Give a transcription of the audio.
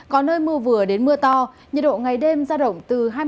có nơi mưa vừa đến mưa to nhiệt độ ngày đêm giao động từ hai mươi bốn đến ba mươi ba độ